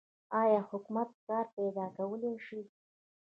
آیا حکومت کار پیدا کولی شي؟